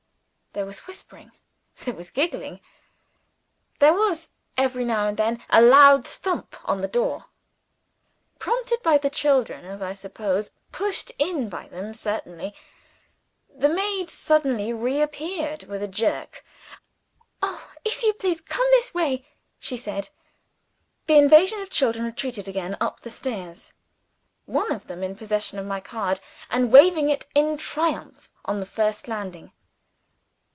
There was whispering; there was giggling; there was, every now and then, a loud thump on the door. Prompted by the children, as I suppose pushed in by them, certainly the maid suddenly reappeared with a jerk, "Oh, if you please, come this way," she said. The invasion of children retreated again up the stairs one of them in possession of my card, and waving it in triumph on the first landing.